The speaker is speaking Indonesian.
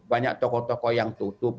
banyak toko toko yang tutup